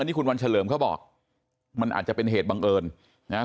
นี่คุณวันเฉลิมเขาบอกมันอาจจะเป็นเหตุบังเอิญนะฮะ